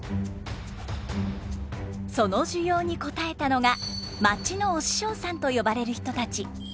その需要に応えたのが町のお師匠さんと呼ばれる人たち。